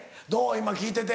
今聞いてて。